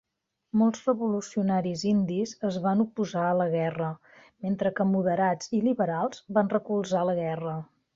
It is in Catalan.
Molts revolucionaris indis es van oposar a la guerra, mentre que moderats i liberals van recolzar la guerra.